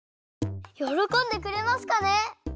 よろこんでくれますかね？